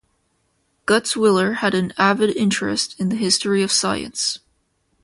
Gutzwiller had an avid interest in the history of science.